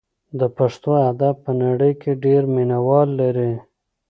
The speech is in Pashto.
د پښتو ادب په نړۍ کې ډېر مینه وال لري.